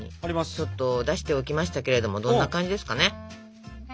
ちょっと出しておきましたけれどもどんな感じですかね？